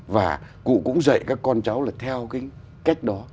và cụ cũng dạy các con cháu là theo cái cách đó